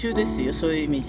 そういう意味じゃ。